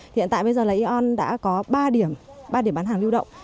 hiện tại bây giờ là yon đã có ba điểm ba điểm bán hàng lưu động